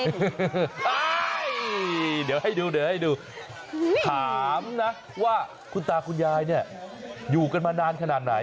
เดี๋ยวให้ดูเดี๋ยวให้ดูถามนะว่าคุณตาคุณยายเนี่ยอยู่กันมานานขนาดไหน